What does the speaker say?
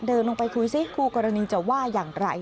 เดินลงไปคุยซิคู่กรณีจะว่าอย่างไร